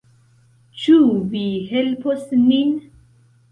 Ĉu vi helpos nin?